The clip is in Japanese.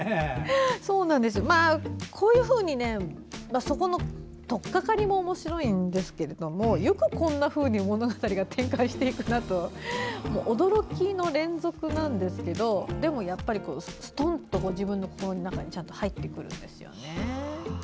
こういうふうに、とっかかりもおもしろいんですけどよくこんなふうに物語が展開していくなと驚きの連続なんですけどでもやっぱりすとんと自分の心の中にちゃんと入ってくるんですよね。